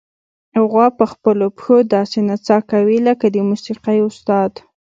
غوا په خپلو پښو داسې نڅا کوي لکه د موسیقۍ استاد.